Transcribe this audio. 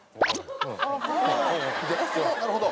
なるほど。